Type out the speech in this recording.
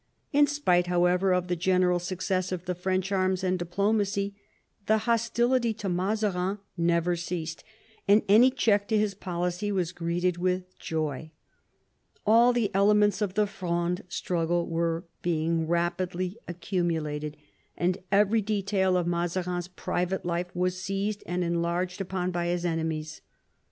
In spite, however, of the general success of the French arms and diplomacy, the hostility to Mazarin never ceased, and any check to his policy was greeted with joy. All the elements of the Fronde struggle were being rapidly accumulated, and every detail of Mazarin's private life was seized and enlarged upon by his enemies.